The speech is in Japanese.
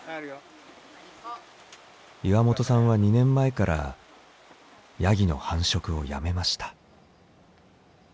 岩本さんは２年前からヤギの繁殖をやめました。